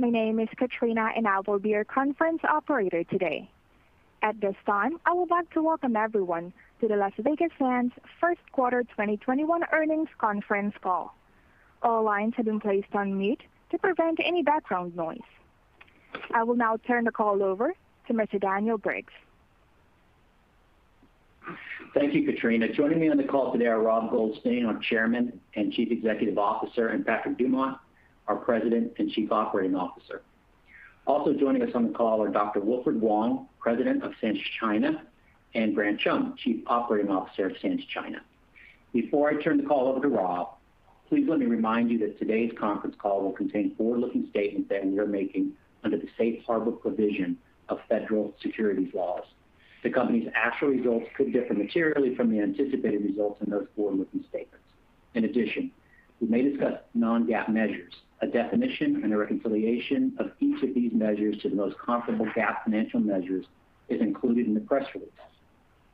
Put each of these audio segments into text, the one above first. My name is Katrina, and I will be your conference operator today. At this time, I would like to welcome everyone to the Las Vegas Sands first quarter 2021 earnings conference call. All lines have been placed on mute to prevent any background noise. I will now turn the call over to Mr. Daniel Briggs. Thank you, Katrina. Joining me on the call today are Rob Goldstein, our Chairman and Chief Executive Officer, and Patrick Dumont, our President and Chief Operating Officer. Also joining us on the call are Dr. Wilfred Wong, President of Sands China, and Grant Chum, Chief Operating Officer of Sands China. Before I turn the call over to Rob, please let me remind you that today's conference call will contain forward-looking statements that we are making under the safe harbor provision of federal securities laws. The company's actual results could differ materially from the anticipated results in those forward-looking statements. In addition, we may discuss non-GAAP measures. A definition and a reconciliation of each of these measures to the most comparable GAAP financial measures is included in the press release.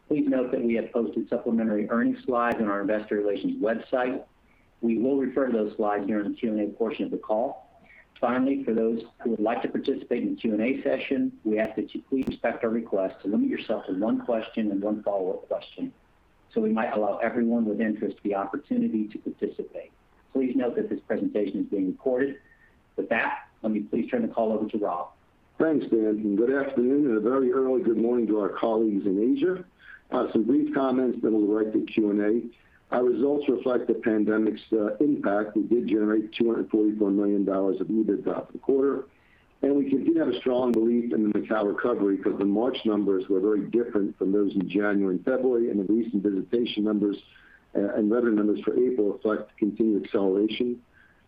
Please note that we have posted supplementary earnings slides on our investor relations website. We will refer to those slides during the Q&A portion of the call. Finally, for those who would like to participate in the Q&A session, we ask that you please respect our request to limit yourself to one question and one follow-up question, so we might allow everyone with interest the opportunity to participate. Please note that this presentation is being recorded. With that, let me please turn the call over to Rob. Thanks, Dan, good afternoon, and a very early good morning to our colleagues in Asia. Some brief comments, then we'll go right to Q&A. Our results reflect the pandemic's impact. We did generate $244 million of EBITDA for the quarter, and we continue to have a strong belief in the Macao recovery because the March numbers were very different from those in January and February, and the recent visitation numbers and revenue numbers for April reflect continued acceleration.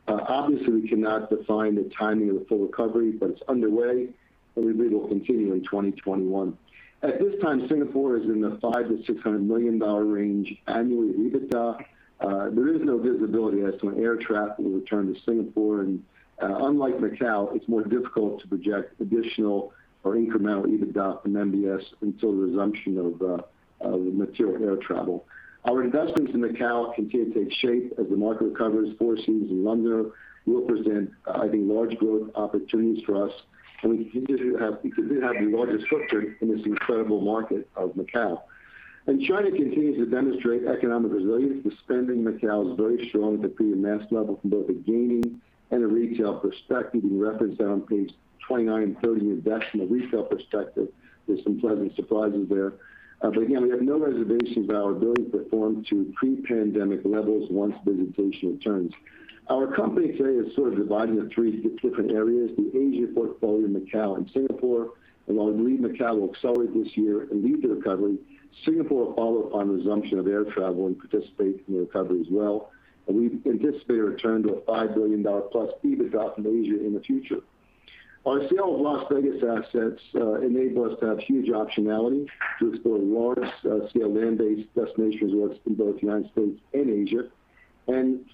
Obviously, we cannot define the timing of the full recovery, but it's underway, and we believe it will continue in 2021. At this time, Singapore is in the $500 million-$600 million range annually in EBITDA. There is no visibility as to when air travel will return to Singapore, and unlike Macao, it's more difficult to project additional or incremental EBITDA from MBS until the resumption of material air travel. Our investments in Macao continue to take shape as the market recovers. Four Seasons and The Londoner Macao will present, I think, large growth opportunities for us, and we do have the largest footprint in this incredible market of Macao. China continues to demonstrate economic resilience. The spending in Macao is very strong at the mass level from both a gaming and a retail perspective. You can reference that on page 29 and 30. From the retail perspective, there's some pleasant surprises there. Again, we have no reservations about our ability to perform to pre-pandemic levels once visitation returns. Our company today is sort of divided into three different areas: the Asia portfolio, Macao, and Singapore. While we believe Macao will accelerate this year and lead the recovery, Singapore will follow upon resumption of air travel and participate in the recovery as well. We anticipate a return to a $5 billion+ EBITDA from Asia in the future. Our sale of Las Vegas assets enable us to have huge optionality to explore large-scale land-based destination resorts in both the U.S. and Asia.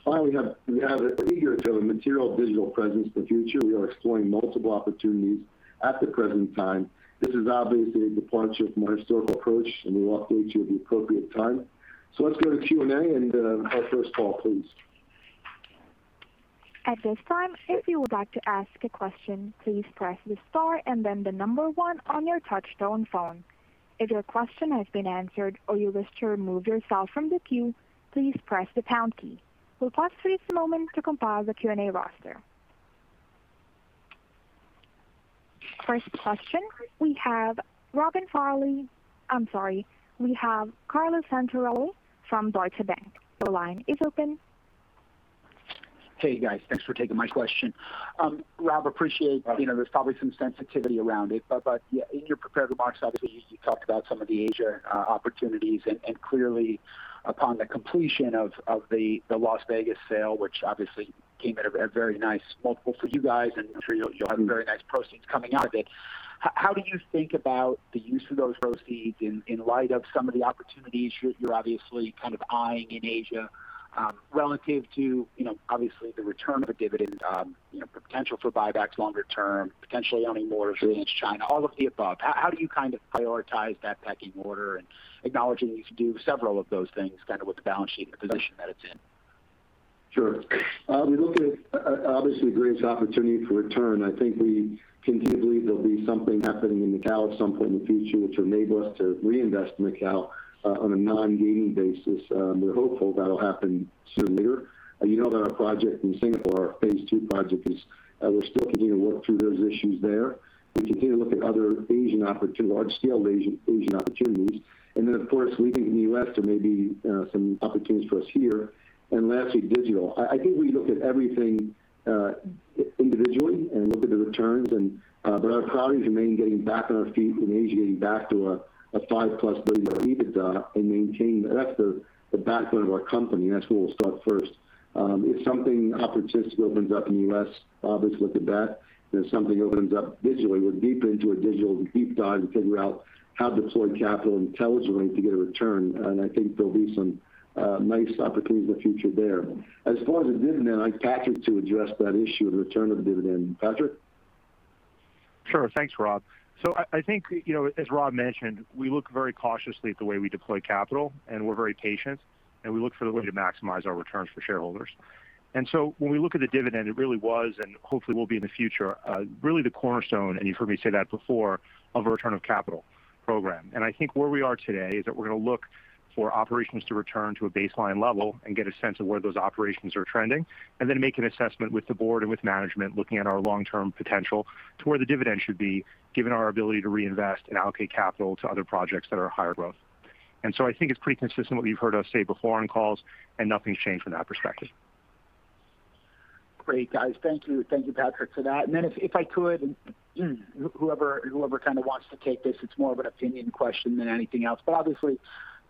Finally, we have an eager material digital presence for the future. We are exploring multiple opportunities at the present time. This is obviously a departure from our historical approach, and we'll update you at the appropriate time. Let's go to Q&A and our first call, please. At this time if you would like to ask a question please press the star and then the number one on your touch-tone phone. If your question has been answered or you wish to remove yourself from the queue, please press the pound key. We'll pause for just a moment to compile the Q&A roster. First question, we have Robin Farley. I'm sorry. We have Carlo Santarelli from Deutsche Bank. Your line is open. Hey, guys. Thanks for taking my question. Rob, appreciate, there's probably some sensitivity around it. Yeah, in your prepared remarks, obviously, you talked about some of the Asia opportunities and clearly upon the completion of the Las Vegas sale, which obviously came at a very nice multiple for you guys, and I'm sure you'll have very nice proceeds coming out of it. How did you think about the use of those proceeds in light of some of the opportunities you're obviously kind of eyeing in Asia, relative to obviously the return of a dividend, the potential for buybacks longer term, potentially owning more of Sands China, all of the above. How do you kind of prioritize that pecking order and acknowledging that you could do several of those things, kind of with the balance sheet and the position that it's in? Sure. We look at, obviously, greatest opportunity for return. I think we continue to believe there'll be something happening in Macao at some point in the future which will enable us to reinvest in Macao on a non-gaming basis. We're hopeful that'll happen sooner than later. You know that our project in Singapore, our phase 2 project is we're still continuing to work through those issues there. We continue to look at other large-scale Asian opportunities. Leaving the U.S., there may be some opportunities for us here. Lastly, digital. I think we look at everything individually and look at the returns, but our priority remains getting back on our feet in Asia, getting back to a $5+ billion EBITDA. That's the backbone of our company, and that's where we'll start first. If something opportunistic opens up in the U.S., we'll obviously look at that. If something opens up digitally, we'll deepen into it digitally. We'll deep dive and figure out how to deploy capital intelligently to get a return, and I think there'll be some nice opportunities in the future there. As far as the dividend, I'd like Patrick to address that issue of return of the dividend. Patrick? Thanks, Rob. I think, as Rob mentioned, we look very cautiously at the way we deploy capital, and we're very patient, and we look for the way to maximize our returns for shareholders. When we look at the dividend, it really was, and hopefully will be in the future, really the cornerstone, and you've heard me say that before, of a return of capital program. I think where we are today is that we're going to look for operations to return to a baseline level and get a sense of where those operations are trending, and then make an assessment with the board and with management, looking at our long-term potential to where the dividend should be, given our ability to reinvest and allocate capital to other projects that are higher growth. I think it's pretty consistent what you've heard us say before on calls, and nothing's changed from that perspective. Great, guys. Thank you. Thank you, Patrick, for that. If I could, whoever wants to take this, it's more of an opinion question than anything else. Obviously,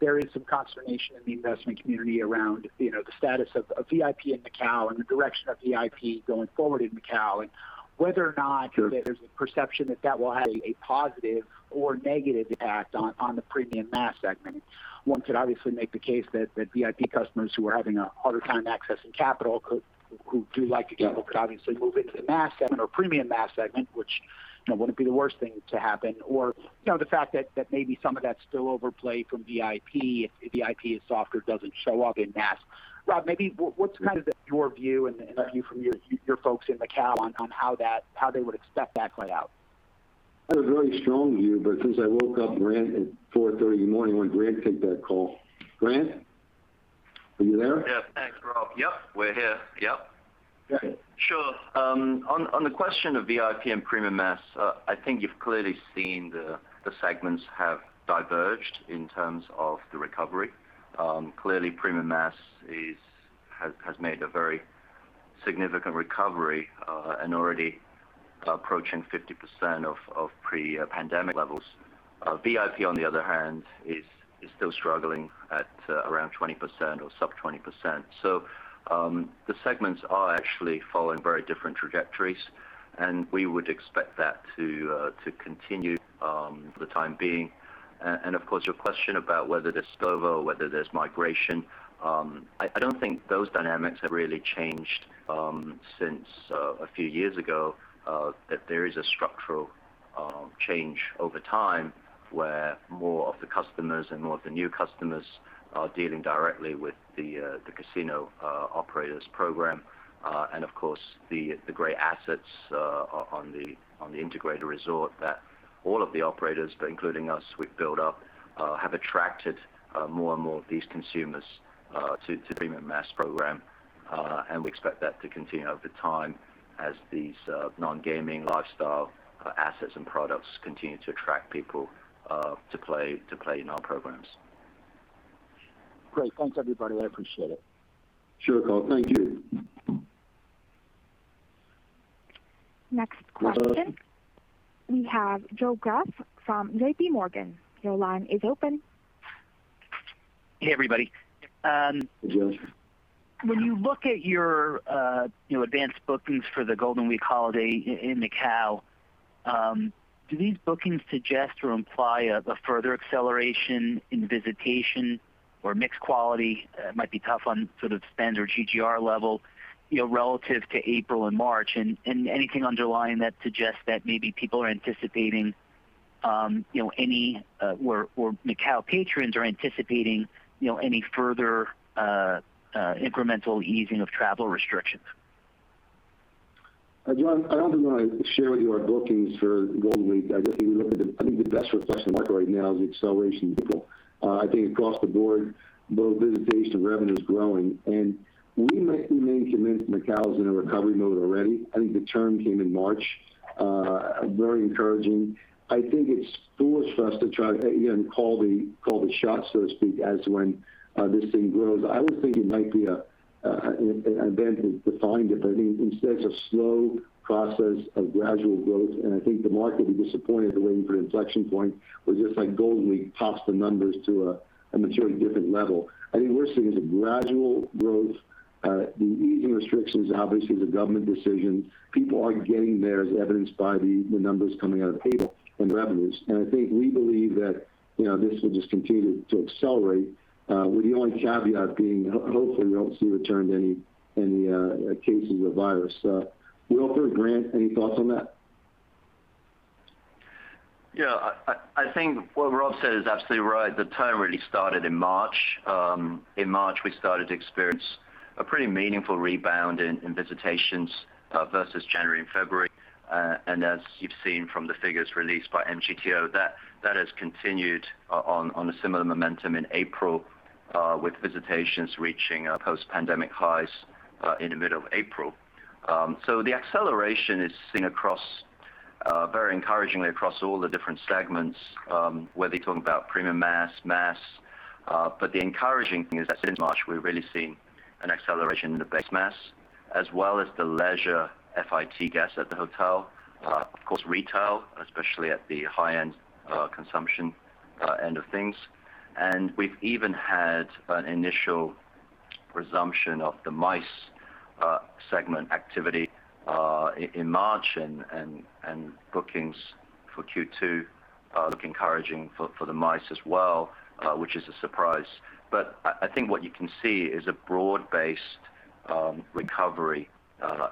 there is some consternation in the investment community around the status of VIP in Macao and the direction of VIP going forward in Macao, and whether or not. Sure. There's a perception that that will have a positive or negative impact on the premium mass segment. One could obviously make the case that VIP customers who are having a harder time accessing capital, who do like to gamble. Yeah. Could obviously move into the mass segment or premium mass segment, which wouldn't be the worst thing to happen. The fact that maybe some of that spillover play from VIP, if VIP is softer, doesn't show up in mass. Rob, maybe what's your view and the view from your folks in Macao on how they would expect that to play out? I had a very strong view, but since I woke up at 4:30 A.M., I want Grant to take that call. Grant, are you there? Yeah. Thanks, Rob. Yep, we're here. Yep. Okay. Sure. On the question of VIP and premium mass, I think you've clearly seen the segments have diverged in terms of the recovery. Clearly, premium mass has made a very significant recovery, and already approaching 50% of pre-pandemic levels. VIP, on the other hand, is still struggling at around 20% or sub 20%. The segments are actually following very different trajectories, and we would expect that to continue for the time being. Of course, your question about whether there's spillover or whether there's migration, I don't think those dynamics have really changed since a few years ago. That there is a structural change over time, where more of the customers and more of the new customers are dealing directly with the casino operators program. Of course, the great assets on the integrated resort that all of the operators, including us, we've built up, have attracted more and more of these consumers to premium mass program. We expect that to continue over time as these non-gaming lifestyle assets and products continue to attract people to play in our programs. Great. Thanks, everybody. I appreciate it. Sure, Carlo. Thank you. Next question, we have Joe Greff from JPMorgan. Your line is open. Hey, everybody. Hey, Joe. When you look at your advanced bookings for the Golden Week holiday in Macao, do these bookings suggest or imply a further acceleration in visitation or mix quality that might be tough on spend or GGR level, relative to April and March? Anything underlying that suggests that maybe people are anticipating any, or Macao patrons are anticipating any further incremental easing of travel restrictions? Joe, I don't even want to share with you our bookings for Golden Week. I think the best reflection of the market right now is the acceleration in April. I think across the board, both visitation and revenue's growing. We remain convinced Macao is in a recovery mode already. I think the turn came in March, very encouraging. I think it's foolish for us to try to even call the shots, so to speak, as to when this thing grows. I would think it might be an event that defined it, but instead it's a slow process of gradual growth, and I think the market will be disappointed waiting for an inflection point where just like Golden Week pops the numbers to a materially different level. I think we're seeing is a gradual growth. The easing restrictions are obviously the government decision. People are getting there, as evidenced by the numbers coming out of April and revenues. I think we believe that this will just continue to accelerate, with the only caveat being, hopefully, we don't see a return to any cases of the virus. Wilfred, Grant, any thoughts on that? Yeah. I think what Rob said is absolutely right. The turn really started in March. In March, we started to experience a pretty meaningful rebound in visitations versus January and February. As you've seen from the figures released by MGTO, that has continued on a similar momentum in April, with visitations reaching post-pandemic highs in the middle of April. The acceleration is seen very encouragingly across all the different segments, whether you're talking about premium mass. The encouraging thing is that since March, we've really seen an acceleration in the base mass as well as the leisure FIT guests at the hotel. Of course, retail, especially at the high-end consumption end of things. We've even had an initial resumption of the MICE segment activity in March and bookings for Q2 look encouraging for the MICE as well, which is a surprise. I think what you can see is a broad-based recovery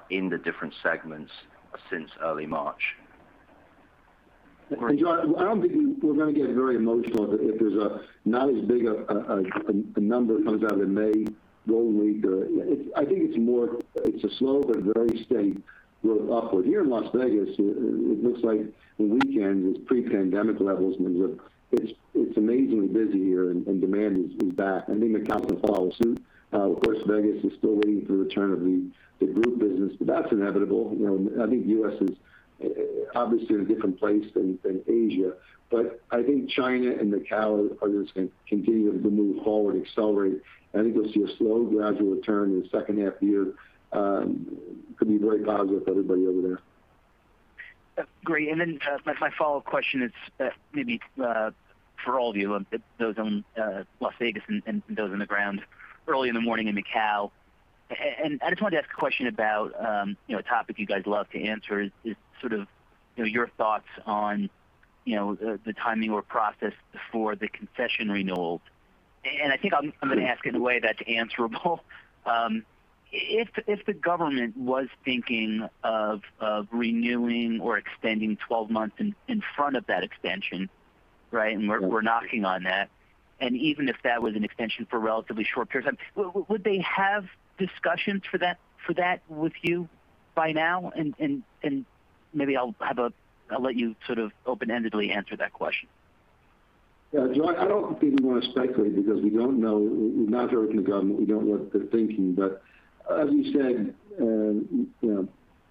in the different segments since early March. Joe, I don't think we're going to get very emotional if there's not as big a number that comes out in Golden Week. I think it's a slow but very steady upward. Here in Las Vegas, it looks like the weekend was pre-pandemic levels. I mean, it's amazingly busy here and demand is back. Macao will follow suit. Of course, Vegas is still waiting for the return of the group business, that's inevitable. I think U.S. is obviously in a different place than Asia, I think China and Macao are just going to continue to move forward, accelerate. I think we'll see a slow gradual return in the second half year. Could be very positive for everybody over there. Great. Then my follow-up question is maybe for all of you, those on Las Vegas and those on the ground early in the morning in Macao. I just wanted to ask a question about a topic you guys love to answer, is your thoughts on the timing or process for the concession renewals. I think I'm going to ask in a way that's answerable. If the government was thinking of renewing or extending 12 months in front of that extension, right, and we're knocking on that, and even if that was an extension for a relatively short period of time, would they have discussions for that with you by now? Maybe I'll let you open-endedly answer that question. Yeah, Joe, I don't think we want to speculate because we don't know. We're not talking to government. We don't know what they're thinking. As you said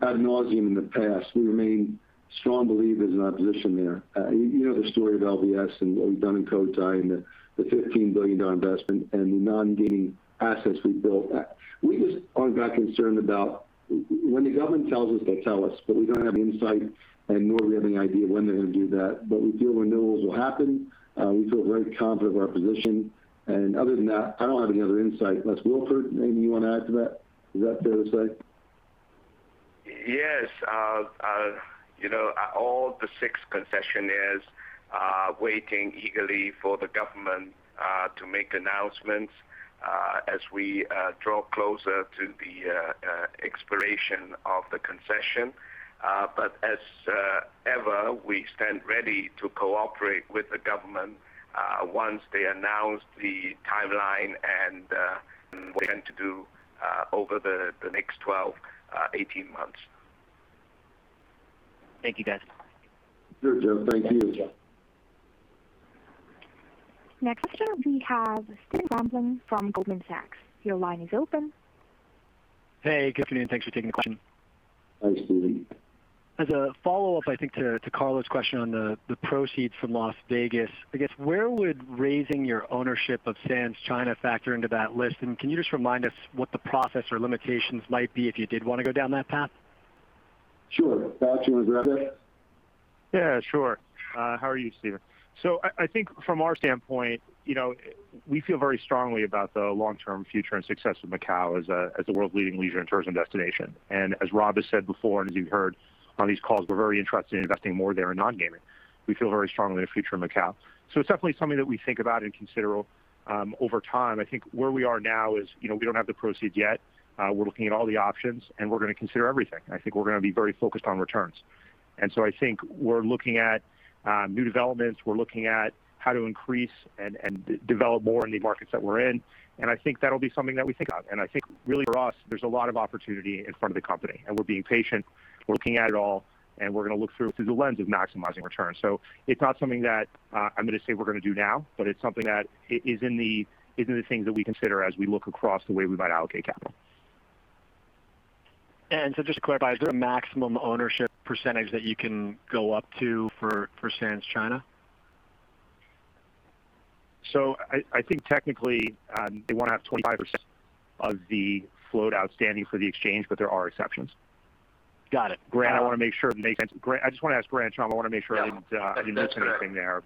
ad nauseam in the past, we remain strong believers in our position there. You know the story of LVS and what we've done in Cotai and the $15 billion investment and the non-gaming assets we've built. We just aren't that concerned. When the government tells us, they tell us, but we don't have insight and nor do we have any idea when they're going to do that. We feel renewals will happen. We feel very confident of our position. Other than that, I don't have any other insight. Unless Wilfred, maybe you want to add to that? Is that fair to say? Yes. All the six concessionaires are waiting eagerly for the government to make announcements as we draw closer to the expiration of the concession. As ever, we stand ready to cooperate with the government once they announce the timeline and what they intend to do over the next 12, 18 months. Thank you, guys. Sure, Joe. Thank you. Next question, we have Steve Grambling from Goldman Sachs. Your line is open. Hey, good afternoon. Thanks for taking the question. Hi, Stephen. As a follow-up, I think to Carlo's question on the proceeds from Las Vegas. I guess where would raising your ownership of Sands China factor into that list? Can you just remind us what the process or limitations might be if you did want to go down that path? Sure. Patrick, do you want to grab that? Yeah, sure. How are you, Stephen? I think from our standpoint, we feel very strongly about the long-term future and success of Macao as a world-leading leisure and tourism destination. As Rob has said before, and as you've heard on these calls, we're very interested in investing more there in non-gaming. We feel very strongly in the future of Macao. It's definitely something that we think about and consider over time. I think where we are now is we don't have the proceeds yet. We're looking at all the options, and we're going to consider everything. I think we're going to be very focused on returns. I think we're looking at new developments. We're looking at how to increase and develop more in the markets that we're in. I think that'll be something that we think of. I think really for us, there's a lot of opportunity in front of the company. We're being patient. We're looking at it all, and we're going to look through it through the lens of maximizing returns. It's not something that I'm going to say we're going to do now, but it's something that is in the things that we consider as we look across the way we might allocate capital. Just to clarify, is there a maximum ownership percentage that you can go up to for Sands China? I think technically, they want to have 25% of the float outstanding for the exchange, but there are exceptions. Got it. Grant, I just want to ask Grant and Grant, I want to make sure I didn't miss anything there.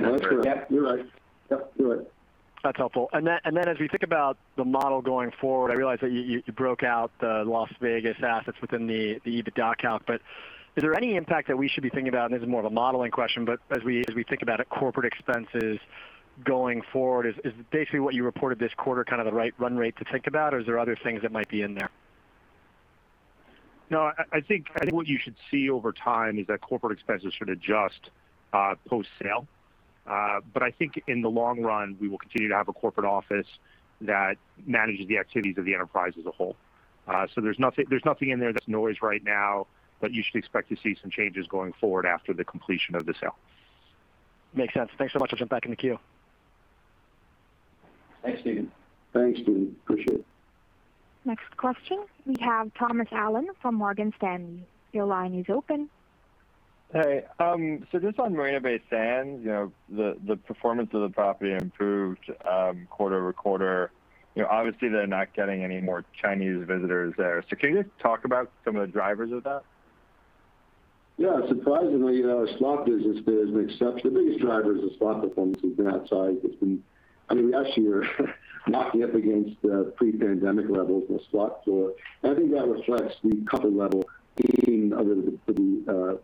No, that's correct. You're right. That's helpful. As we think about the model going forward, I realize that you broke out the Las Vegas assets within the EBITDA calc, but is there any impact that we should be thinking about? This is more of a modeling question, but as we think about corporate expenses going forward, is basically what you reported this quarter kind of the right run rate to think about, or is there other things that might be in there? No, I think what you should see over time is that corporate expenses should adjust post-sale. I think in the long run, we will continue to have a corporate office that manages the activities of the enterprise as a whole. There's nothing in there that's noise right now, but you should expect to see some changes going forward after the completion of the sale. Makes sense. Thanks so much. I'll jump back in the queue. Thanks, Stephen. Thanks, Stephen. Appreciate it. Next question, we have Thomas Allen from Morgan Stanley. Your line is open. Hey. Just on Marina Bay Sands, the performance of the property improved quarter-over-quarter. Obviously, they're not getting any more Chinese visitors there. Can you talk about some of the drivers of that? Yeah, surprisingly, our slot business there is an exception. The biggest driver is the slot performance. We've been outside last year, marking up against pre-pandemic levels in the slot floor. I think that reflects the comfort level being able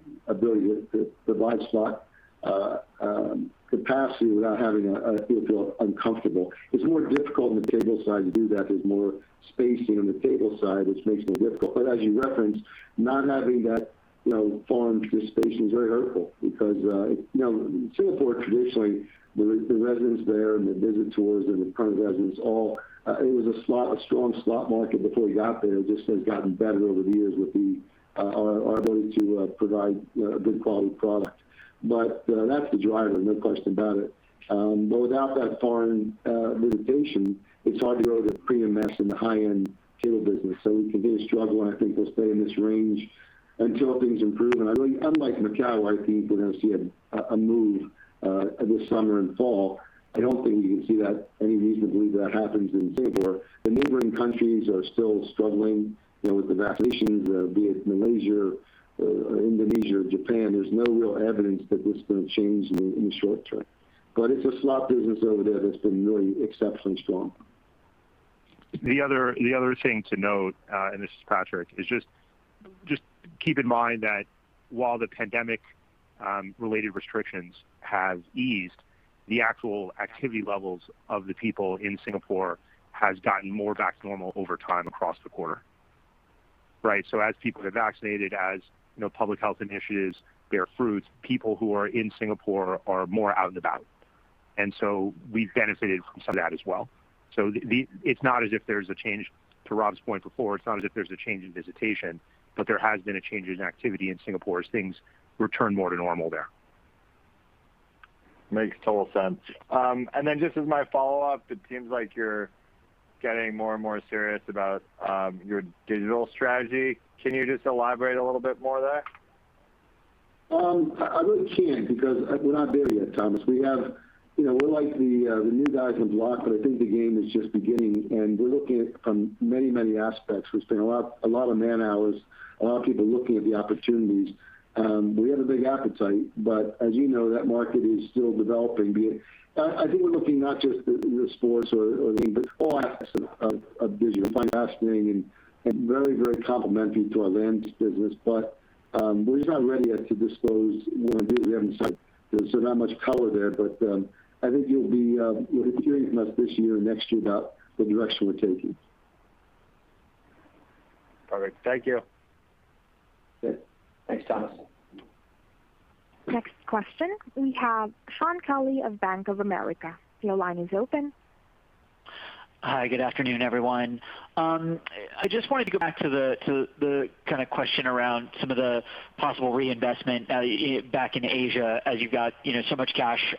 to provide slot capacity without having people feel uncomfortable. It's more difficult on the table side to do that. There's more spacing on the table side, which makes it difficult. As you referenced, not having that foreign visitation is very hurtful, because Singapore, traditionally, the residents there, and the visitors, and the permanent residents. It was a strong slot market before we got there. It just has gotten better over the years with our ability to provide a good quality product. That's the driver, no question about it. Without that foreign visitation, it's hard to grow the premium mass and the high-end table business. We continue to struggle, and I think we'll stay in this range until things improve. Unlike Macao, where I think we're going to see a move this summer and fall, I don't think we can see any reason to believe that happens in Singapore. The neighboring countries are still struggling with the vaccinations, be it Malaysia, Indonesia, or Japan. There's no real evidence that this is going to change in the short term. It's the slot business over there that's been really exceptionally strong. The other thing to note, and this is Patrick, is just keep in mind that while the pandemic-related restrictions have eased, the actual activity levels of the people in Singapore has gotten more back to normal over time across the quarter. Right? As people get vaccinated, as public health initiatives bear fruit, people who are in Singapore are more out and about. We've benefited from some of that as well. It's not as if there's a change, to Rob's point before, it's not as if there's a change in visitation, but there has been a change in activity in Singapore as things return more to normal there. Makes total sense. Just as my follow-up, it seems like you're getting more and more serious about your digital strategy. Can you just elaborate a little bit more there? I really can't, because we're not there yet, Thomas. We're like the new guys on the block. I think the game is just beginning. We're looking at it from many, many aspects. We're spending a lot of man-hours and a lot of people looking at the opportunities. We have a big appetite. As you know, that market is still developing. I think we're looking not just at sports or anything, but all aspects of digital. We find it fascinating and very complimentary to our lands business. We're just not ready yet to disclose more in detail. There's not much color there. I think you'll be hearing from us this year or next year about the direction we're taking. Perfect. Thank you. Good. Thanks, Thomas. Next question, we have Shaun Kelley of Bank of America. Your line is open. Hi. Good afternoon, everyone. I just wanted to go back to the kind of question around some of the possible reinvestment back in Asia as you've got so much cash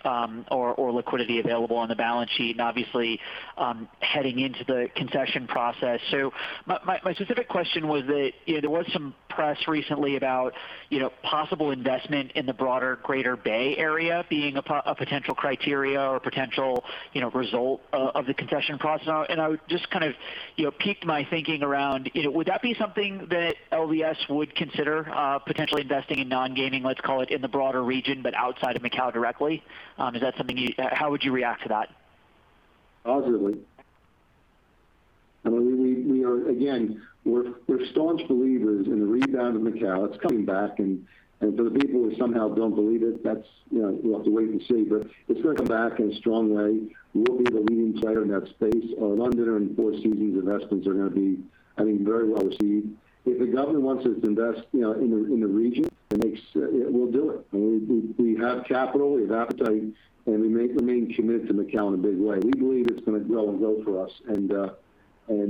or liquidity available on the balance sheet, and obviously, heading into the concession process. My specific question was that there was some press recently about possible investment in the broader Greater Bay Area being a potential criteria or potential result of the concession process. It just kind of piqued my thinking around, would that be something that LVS would consider potentially investing in non-gaming, let's call it, in the broader region, but outside of Macao directly? How would you react to that? Positively. Again, we're staunch believers in the rebound of Macao. It's coming back, and for the people who somehow don't believe it, we'll have to wait and see. It's going to come back in a strong way. We'll be the leading player in that space. Our Londoner and Four Seasons investments are going to be very well received. If the government wants us to invest in the region, we'll do it. We have capital, we have appetite, and we remain committed to Macao in a big way. We believe it's going to grow and go for us.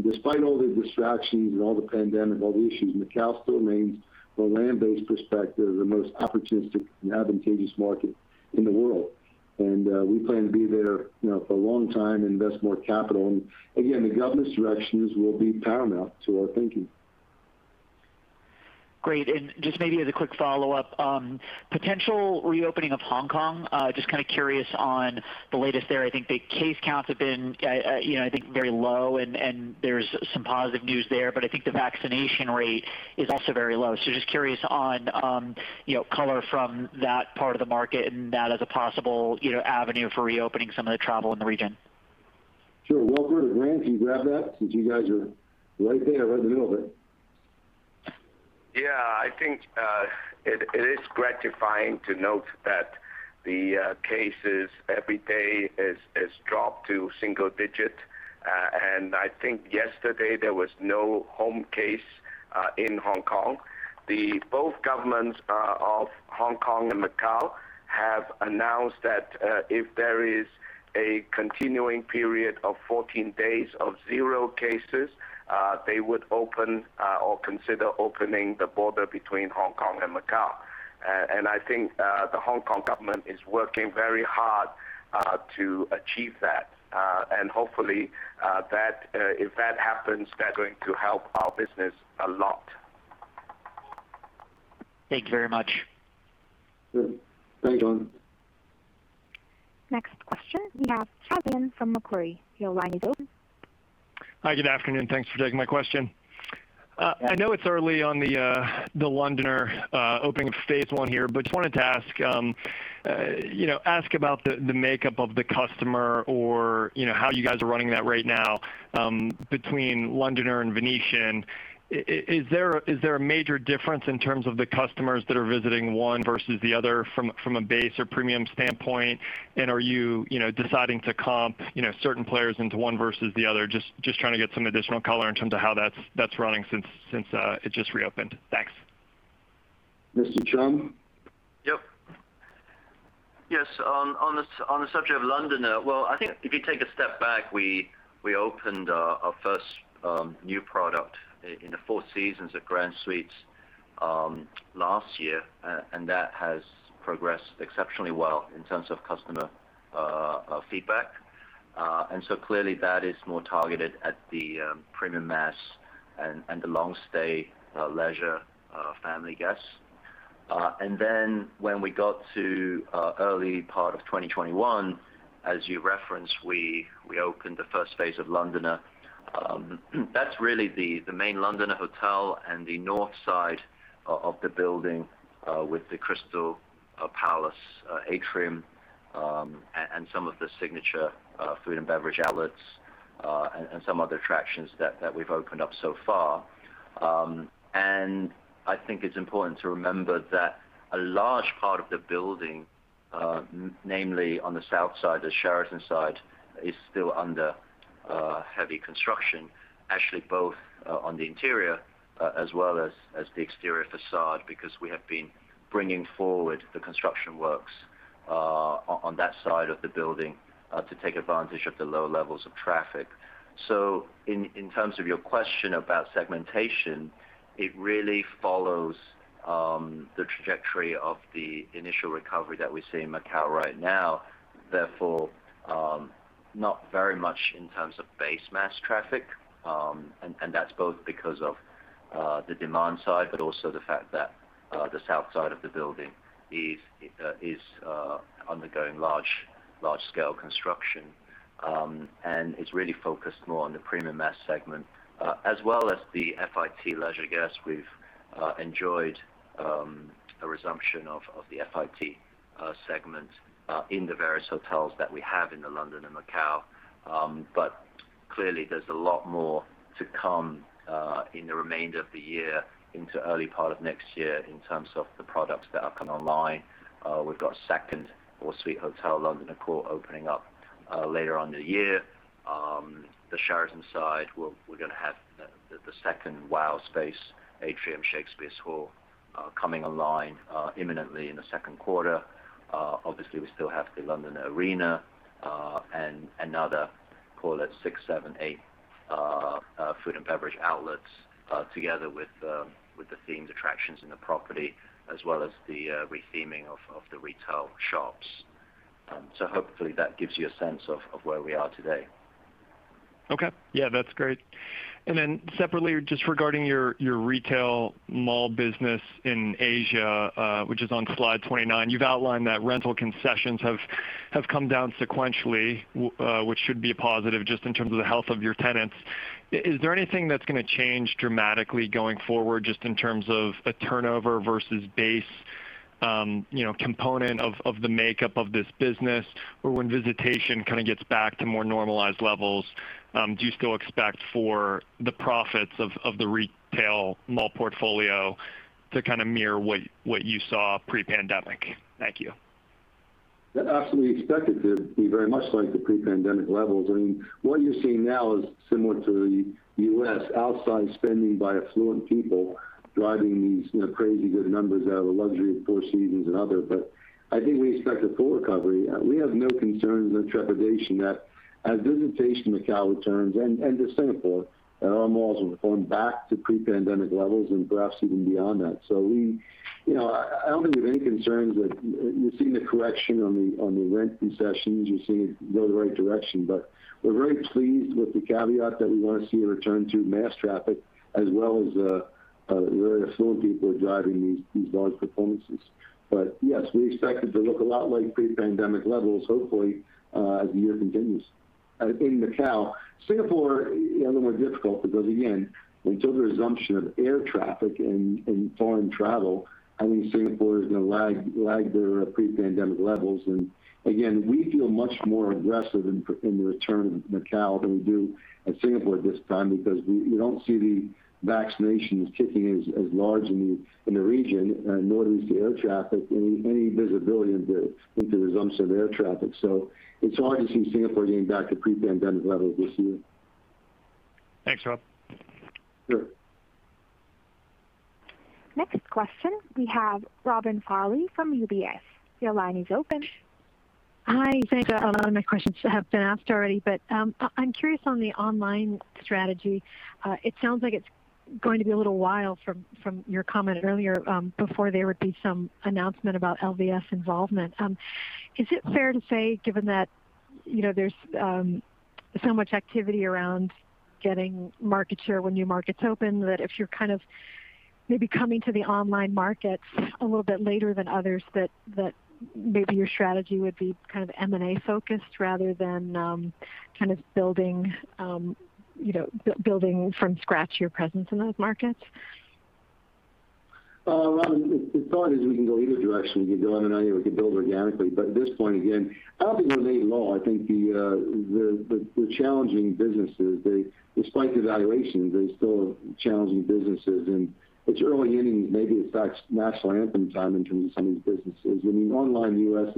Despite all the distractions and all the pandemic, all the issues, Macao still remains, from a land-based perspective, the most opportunistic and advantageous market in the world. We plan to be there for a long time and invest more capital in. Again, the government's directions will be paramount to our thinking. Great. Just maybe as a quick follow-up, potential reopening of Hong Kong, just kind of curious on the latest there. I think the case counts have been very low, and there's some positive news there, but I think the vaccination rate is also very low. Just curious on color from that part of the market and that as a possible avenue for reopening some of the travel in the region. Sure. Wilfred or Grant, can you grab that since you guys are right there, right in the middle of it? Yeah, I think it is gratifying to note that the cases every day has dropped to single digit. I think yesterday there was no home case in Hong Kong. Both governments of Hong Kong and Macao have announced that if there is a continuing period of 14 days of zero cases, they would open or consider opening the border between Hong Kong and Macao. I think the Hong Kong government is working very hard to achieve that. Hopefully, if that happens, that's going to help our business a lot. Thank you very much. Sure. Thanks, Shaun. Next question, we have Chad Beynon from Macquarie. Your line is open. Hi. Good afternoon. Thanks for taking my question. I know it's early on the Londoner opening of phase one here, just wanted to ask about the makeup of the customer or how you guys are running that right now between Londoner and Venetian. Is there a major difference in terms of the customers that are visiting one versus the other from a base or premium standpoint? Are you deciding to comp certain players into one versus the other? Just trying to get some additional color in terms of how that's running since it just reopened. Thanks. Mr. Chum? Yep. On the subject of Londoner, well, I think if you take a step back, we opened our first new product in the Four Seasons, the Grand Suites, last year, and that has progressed exceptionally well in terms of customer feedback. Clearly that is more targeted at the premium mass and the long-stay leisure family guests. When we got to early part of 2021, as you referenced, we opened the first phase of Londoner. That's really the main Londoner hotel and the north side of the building, with the Crystal Palace atrium, and some of the signature food and beverage outlets, and some other attractions that we've opened up so far. I think it's important to remember that a large part of the building, namely on the south side, the Sheraton side, is still under heavy construction, actually both on the interior as well as the exterior facade, because we have been bringing forward the construction works on that side of the building to take advantage of the low levels of traffic. In terms of your question about segmentation, it really follows the trajectory of the initial recovery that we see in Macao right now, therefore, not very much in terms of base mass traffic. That's both because of the demand side, but also the fact that the south side of the building is undergoing large scale construction, and is really focused more on the premium mass segment, as well as the FIT leisure guest. We've enjoyed a resumption of the FIT segment in the various hotels that we have in The Londoner Macao. Clearly there's a lot more to come in the remainder of the year into early part of next year in terms of the products that come online. We've got a second Four Seasons Hotel, Londoner Court, opening up later on in the year. The Sheraton side, we're going to have the second Wow Space atrium, Shakespeare's Hall, coming online imminently in the second quarter. Obviously, we still have The Londoner Arena, and another call it six, seven, eight food and beverage outlets, together with the themed attractions in the property as well as the re-theming of the retail shops. Hopefully that gives you a sense of where we are today. Okay. Yeah, that's great. Separately, just regarding your retail mall business in Asia, which is on slide 29, you've outlined that rental concessions have come down sequentially, which should be a positive just in terms of the health of your tenants. Is there anything that's going to change dramatically going forward, just in terms of a turnover versus base component of the makeup of this business, or when visitation gets back to more normalized levels, do you still expect for the profits of the retail mall portfolio to mirror what you saw pre-pandemic? Thank you. That absolutely expected to be very much like the pre-pandemic levels. I mean, what you're seeing now is similar to the U.S., outside spending by affluent people driving these crazy good numbers out of the luxury of Four Seasons and other. I think we expect a full recovery. We have no concerns or trepidation that as visitation to Macao returns, and to Singapore, our malls will perform back to pre-pandemic levels and perhaps even beyond that. I don't think we have any concerns that you're seeing the correction on the rent concessions. You're seeing it go the right direction. We're very pleased with the caveat that we want to see a return to mass traffic as well as very affluent people are driving these large performances. Yes, we expect it to look a lot like pre-pandemic levels, hopefully, as the year continues in Macao. Singapore, a little more difficult because again, until the resumption of air traffic and foreign travel, I think Singapore is going to lag their pre-pandemic levels. Again, we feel much more aggressive in the return of Macao than we do at Singapore at this time because we don't see the vaccinations kicking in as large in the region, nor does the air traffic, any visibility into resumption of air traffic. It's hard to see Singapore getting back to pre-pandemic levels this year. Thanks, Rob. Sure. Next question, we have Robin Farley from UBS. Your line is open. Hi. Thanks. A lot of my questions have been asked already, but I'm curious on the online strategy. It sounds like it's going to be a little while from your comment earlier, before there would be some announcement about LVS involvement. Is it fair to say, given that there's so much activity around getting market share when new markets open, that if you're kind of maybe coming to the online markets a little bit later than others, that maybe your strategy would be kind of M&A focused rather than building from scratch your presence in those markets? Robin, the thought is we can go either direction. We could do an M&A or we could build organically. At this point, again, I don't think we're late at all. I think the challenging businesses, despite the valuations, they still are challenging businesses. It's early innings, maybe it's national anthem time in terms of some of these businesses. Online U.S.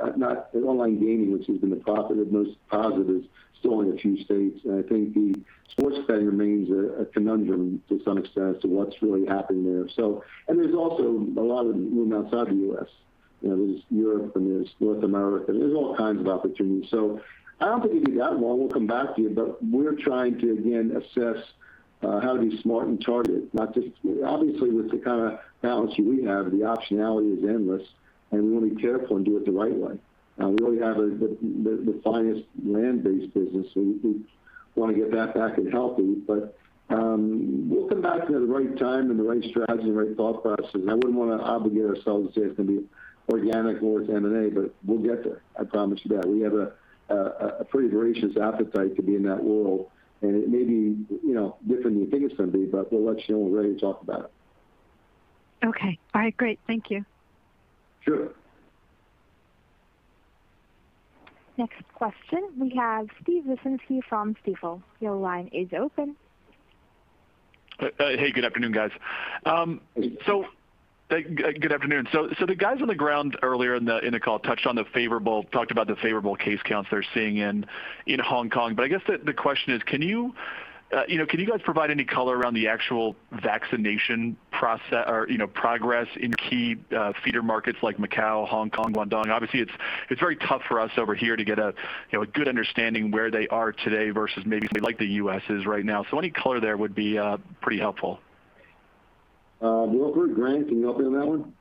online gaming, which has been the most positive, is still in a few states. I think the sports betting remains a conundrum to some extent as to what's really happened there. There's also a lot of room outside the U.S. There's Europe and there's North America. There's all kinds of opportunities. I don't think it'd be that long. We'll come back to you, but we're trying to, again, assess how to be smart and targeted. Obviously, with the kind of balance sheet we have, the optionality is endless, and we want to be careful and do it the right way. We really have the finest land-based business, so we want to get that back and healthy. We'll come back to you at the right time and the right strategy and the right thought process. I wouldn't want to obligate ourselves and say it's going to be organic more than M&A, but we'll get there, I promise you that. We have a pretty voracious appetite to be in that world. It may be different than you think it's going to be, but we'll let you know when we're ready to talk about it. Okay. All right, great. Thank you. Sure. Next question, we have Steve Wieczynski from Stifel. Your line is open. Hey, good afternoon, guys. Good afternoon. The guys on the ground earlier in the call touched on the favorable case counts they're seeing in Hong Kong. I guess the question is, can you guys provide any color around the actual vaccination progress in key feeder markets like Macao, Hong Kong, Guangdong? Obviously, it's very tough for us over here to get a good understanding where they are today versus maybe something like the U.S. is right now. Any color there would be pretty helpful. Wilfred or Grant, can you help me on that one?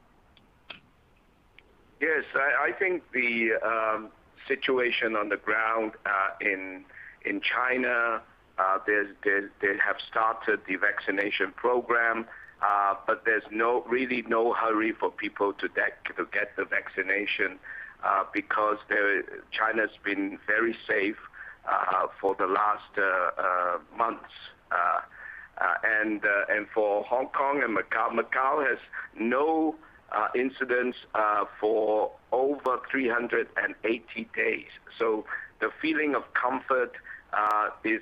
Yes. I think the situation on the ground in China, they have started the vaccination program. There's really no hurry for people to get the vaccination because China's been very safe for the last months. For Hong Kong and Macao has no incidents for over 380 days. The feeling of comfort is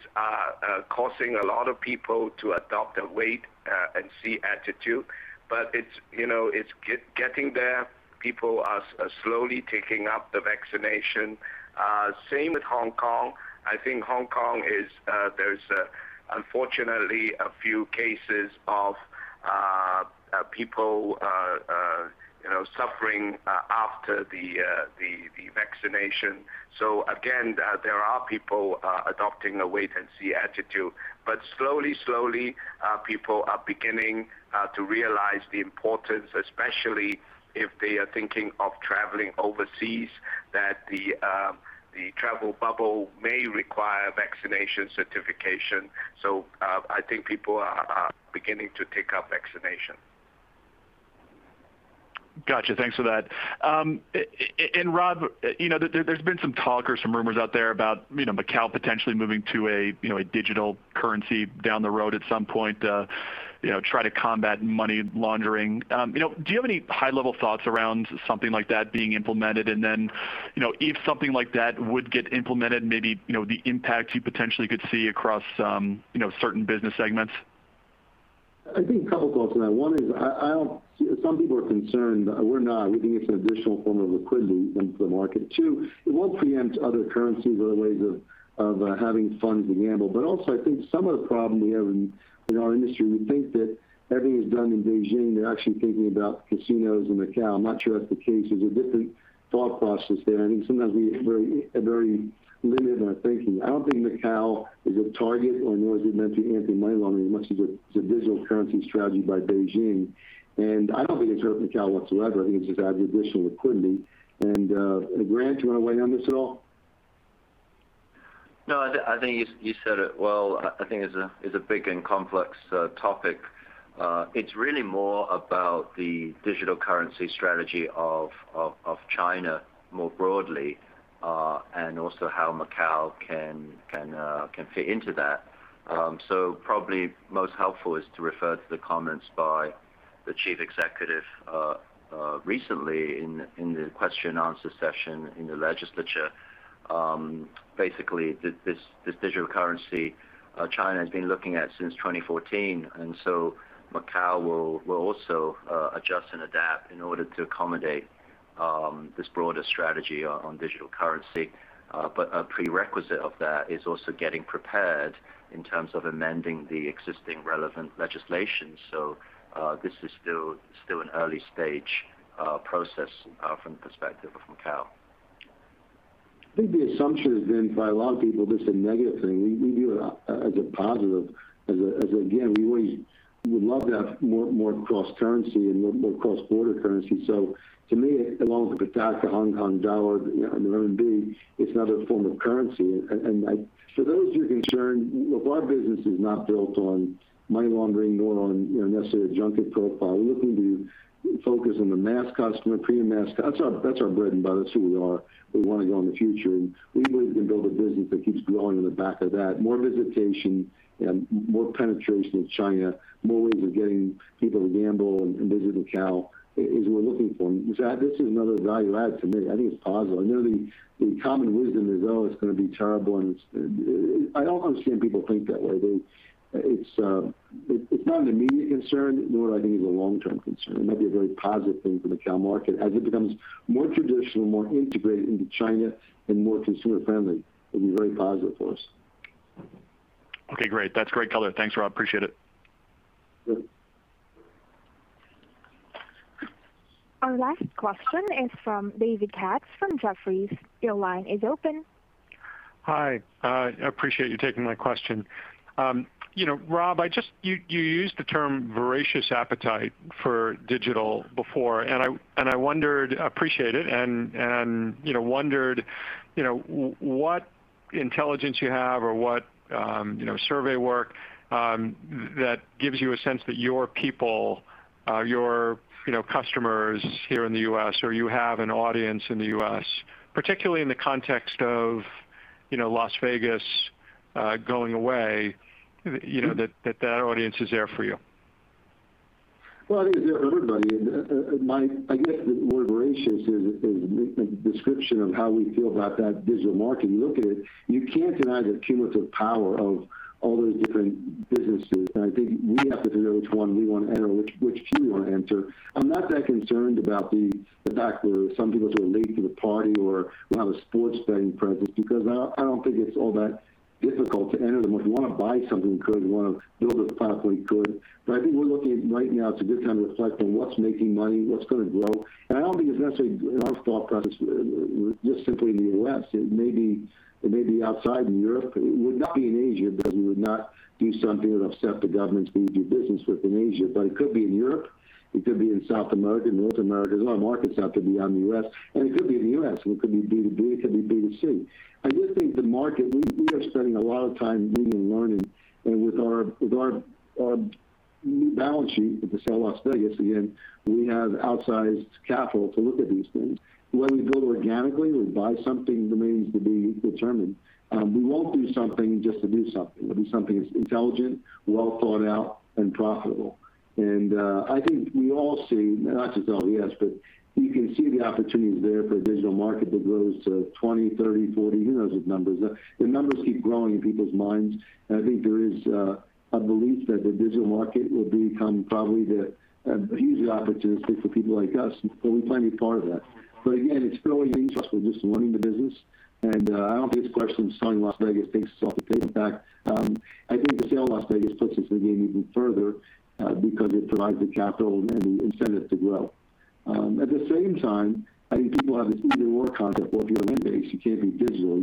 causing a lot of people to adopt a wait and see attitude. It's getting there. People are slowly taking up the vaccination. Same with Hong Kong. I think Hong Kong, there's unfortunately a few cases of people suffering after the vaccination. Again, there are people adopting a wait and see attitude. Slowly people are beginning to realize the importance, especially if they are thinking of traveling overseas, that the travel bubble may require vaccination certification. I think people are beginning to take up vaccination. Got you. Thanks for that. Rob, there's been some talk or some rumors out there about Macao potentially moving to a digital currency down the road at some point, try to combat money laundering. Do you have any high level thoughts around something like that being implemented? If something like that would get implemented, maybe the impact you potentially could see across certain business segments? I think a couple thoughts on that. One is, some people are concerned, we're not. We think it's an additional form of liquidity into the market. Two, it won't preempt other currencies or ways of having funds to gamble. I think some of the problem we have in our industry, we think that everything is done in Beijing. They're actually thinking about casinos in Macao. I'm not sure that's the case. There's a different thought process there. I think sometimes we are very limited in our thinking. I don't think Macao is a target or nor is it meant to anti-money laundering as much as it's a digital currency strategy by Beijing. I don't think it hurts Macao whatsoever. I think it just adds additional liquidity. Grant, do you want to weigh in on this at all? No, I think you said it well. I think it's a big and complex topic. It's really more about the digital currency strategy of China more broadly, and also how Macao can fit into that. Probably most helpful is to refer to the comments by the Chief Executive recently in the question and answer session in the legislature. Basically, this digital currency China has been looking at since 2014. Macao will also adjust and adapt in order to accommodate this broader strategy on digital currency. A prerequisite of that is also getting prepared in terms of amending the existing relevant legislation. This is still an early-stage process from the perspective of Macao. I think the assumption has been by a lot of people, this is a negative thing. We view it as a positive, as again, we would love to have more cross-currency and more cross-border currency. To me, along with the pataca, Hong Kong dollar, and the renminbi, it's another form of currency. For those who are concerned, look, our business is not built on money laundering, nor on necessarily a junket profile. We're looking to focus on the mass customer, premium mass. That's our bread and butter. That's who we are. We want to go in the future, and we believe we can build a business that keeps growing on the back of that. More visitation and more penetration of China, more ways of getting people to gamble and visit Macao is what we're looking for. This is another value add to me. I think it's positive. I know the common wisdom is, "Oh, it's going to be terrible," and I don't understand people think that way. It's not an immediate concern, nor I think is it a long-term concern. It might be a very positive thing for Macao market as it becomes more traditional, more integrated into China, and more consumer friendly. It will be very positive for us. Okay, great. That's great color. Thanks, Rob. Appreciate it. Sure. Our last question is from David Katz from Jefferies. Your line is open. Hi. I appreciate you taking my question. Rob, you used the term voracious appetite for digital before, and I appreciate it, and wondered what intelligence you have or what survey work that gives you a sense that your people, your customers here in the U.S., or you have an audience in the U.S., particularly in the context of Las Vegas going away, that that audience is there for you? Well, I think it's everybody. I guess the word voracious is a description of how we feel about that digital market. Look at it, you can't deny the cumulative power of all those different businesses. I think we have to determine which one we want to enter, which queue we want to enter. I'm not that concerned about the fact where some people sort of late to the party or don't have a sports betting presence, because I don't think it's all that difficult to enter them. If we want to buy something, we could. If we want to build a pathway, we could. I think we're looking at right now, it's a good time to reflect on what's making money, what's going to grow. I don't think it's necessarily in our thought process, just simply in the U.S. It may be outside in Europe. It would not be in Asia, because we would not do something that would upset the governments we do business with in Asia, but it could be in Europe. It could be in South America, North America. There's a lot of markets out there beyond the U.S., and it could be in the U.S. It could be B2B, it could be B2C. I do think the market, we are spending a lot of time reading and learning, and with our new balance sheet with the sale of Las Vegas, again, we have outsized capital to look at these things. Whether we build organically or we buy something remains to be determined. We won't do something just to do something. It'll be something that's intelligent, well thought out, and profitable. I think we all see, not to tell the U.S., but you can see the opportunities there for a digital market that grows to 20%, 30%, 40%, who knows what numbers. The numbers keep growing in people's minds, and I think there is a belief that the digital market will become probably the huge opportunity for people like us. We plan to be part of that. Again, it's fairly interesting just running the business. I don't think the question of selling Las Vegas takes us off the table. In fact, I think the sale of Las Vegas puts us in the game even further because it provides the capital and the incentive to grow. At the same time, I think people have this either/or concept. If you're land-based, you can't be digital.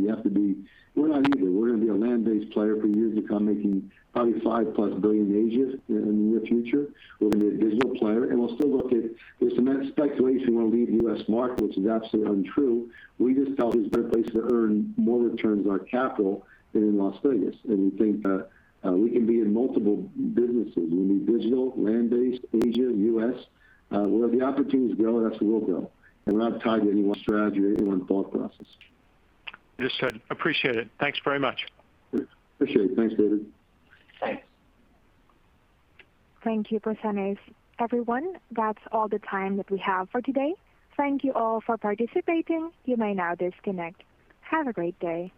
We're not either. We're going to be a land-based player for years to come, making probably $5 billion+ in Asia in the near future. We're going to be a digital player. There's some speculation we'll leave the U.S. market, which is absolutely untrue. We just felt there's better places to earn more returns on our capital than in Las Vegas. We think that we can be in multiple businesses. We can be digital, land-based, Asia, U.S. Wherever the opportunities grow, that's where we'll go. We're not tied to any one strategy or any one thought process. Understood. Appreciate it. Thanks very much. Appreciate it. Thanks, David. Thanks. Thank you for sending us. Everyone, that's all the time that we have for today. Thank you all for participating. You may now disconnect. Have a great day.